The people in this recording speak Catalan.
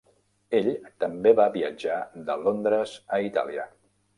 Ell també va viatjar de Londres a Itàlia.